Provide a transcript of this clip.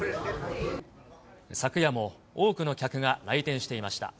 昨夜も多くの客が来店していました。